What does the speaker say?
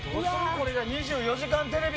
これが「２４時間テレビ」